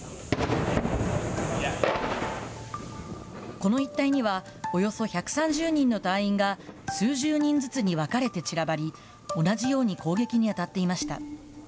この一帯には、およそ１３０人の隊員が、数十人ずつに分かれて散らばり、同じように攻撃に当たっていました。